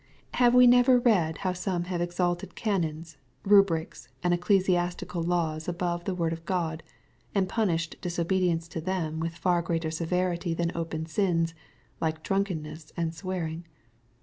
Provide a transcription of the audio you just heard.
Have we never read how some have exalted canons, rubrics, and ecclesiastical laws above the word of God, and punished disobedience to them with far greater severity than open sins, like drunkenness and swear ing?